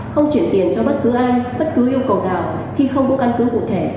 không chuyển tiền cho bất cứ ai bất cứ yêu cầu nào khi không có căn cứ cụ thể